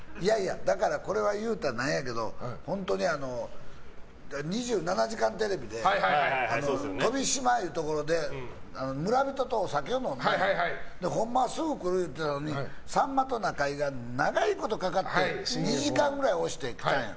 だからこれは言うたらなんやけど本当に「２７時間テレビ」で飛島いうところで村人とお酒を飲んでほんまはすぐ来る言うてたのにさんまと中居が長いことかかって２時間ぐらい押してきたんや。